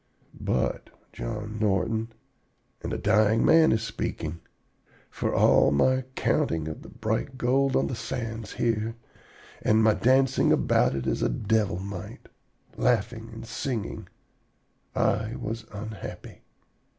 But, John Norton and a dying man is speaking for all my counting of the bright gold on the sands here, and my dancing about it as a devil might, laughing and singing I was unhappy.